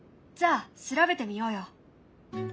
じゃあ調べてみようよ。